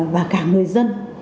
và cả người dân